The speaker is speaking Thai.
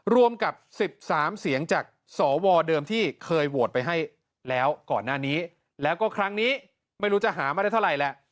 รวมกับ๑๓เสียงจากสวเดิมที่เคยโหวตไปให้แล้วก่อนหน้านี้แล้วก็ครั้งนี้ไม่รู้จะหามาได้เท่าไหร่แหละ